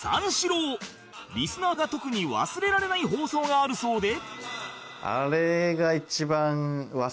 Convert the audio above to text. リスナーが特に忘れられない放送があるそうで